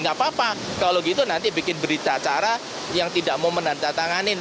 nggak apa apa kalau gitu nanti bikin berita acara yang tidak mau menandatanganin